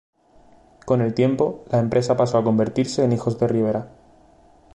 Con el tiempo, la empresa pasó a convertirse en Hijos de Rivera.